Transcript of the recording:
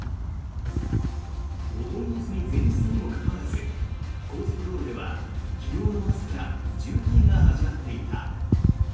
お盆休み前日にもかかわらず高速道路では昨日の朝から渋滞が始まっていた。